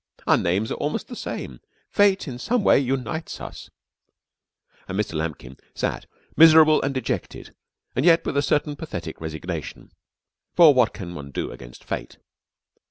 Our names are almost the same.... Fate in some way unites us...." And Mr. Lambkin sat, miserable and dejected and yet with a certain pathetic resignation. For what can one do against Fate?